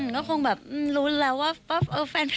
ก็คงแบบรู้แล้วว่าแฟนแบบนี้อะไรอย่างนี้